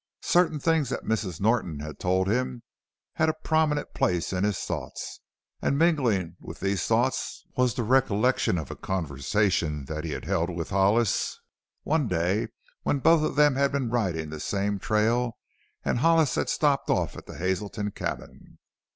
Certain things that Mrs. Norton had told him held a prominent place in his thoughts, and mingling with these thoughts was the recollection of a conversation that he had held with Hollis one day when both of them had been riding this same trail and Hollis had stopped off at the Hazelton cabin.